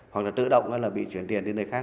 hoặc là tự động đó là bị chuyển tiền đến nơi khác